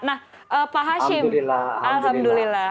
nah pak hashim alhamdulillah